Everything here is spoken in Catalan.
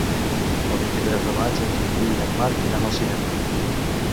El vint-i-tres de maig en Quintí i en Marc iran al cinema.